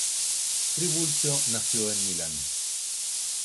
Trivulzio nació en Milán.